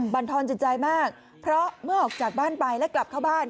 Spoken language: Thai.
บรรทอนจิตใจมากเพราะเมื่อออกจากบ้านไปและกลับเข้าบ้าน